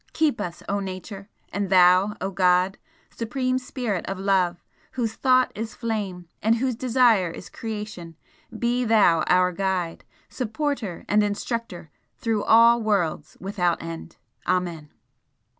Keep us, O Nature! and Thou, O God, Supreme Spirit of Love, whose thought is Flame, and whose desire is Creation, be Thou our guide, supporter and instructor through all worlds without end! Amen!"